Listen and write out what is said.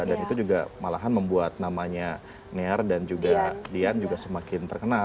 dan itu juga malahan membuat namanya near dan juga dian juga semakin terang ya